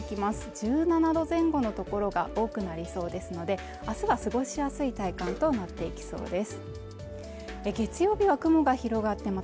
１７度前後の所が多くなりそうですのであすは過ごしやすい体感となっていきそうです